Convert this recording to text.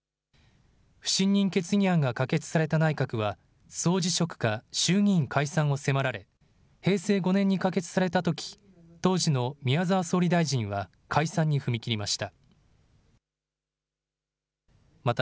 不信任決議案が可決された内閣は、総辞職か衆議院解散を迫られ、平成５年に可決されたとき、当時の宮沢総理大臣は解散に踏み切りました。